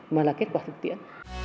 mà là kết quả thực tiễn